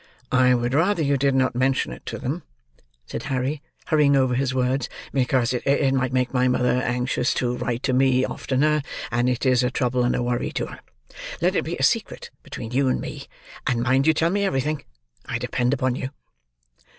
"I would rather you did not mention it to them," said Harry, hurrying over his words; "because it might make my mother anxious to write to me oftener, and it is a trouble and worry to her. Let it be a secret between you and me; and mind you tell me everything! I depend upon you."